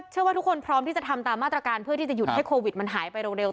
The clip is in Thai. เชื่อว่าทุกคนพร้อมที่จะทำตามมาตรการเพื่อที่จะหยุดให้โควิดมันหายไปเร็ว